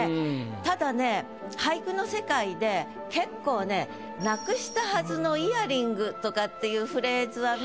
ただね俳句の世界で結構「なくしたはずのイヤリング」とかっていう。